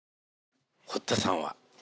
堀田さんは？